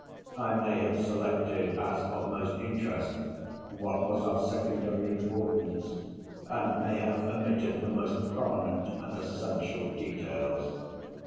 I may have selected as of most interest what was of secondary importance, and may have omitted the most prominent and essential details.